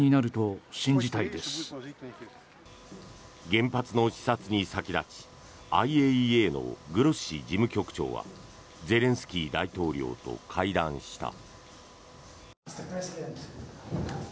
原発の視察に先立ちＩＡＥＡのグロッシ事務局長はゼレンスキー大統領と会談した。